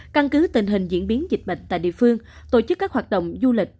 căn cứ tình hình diễn biến dịch bệnh tại địa phương tổ chức các hoạt động du lịch